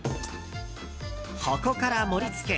ここから盛り付け。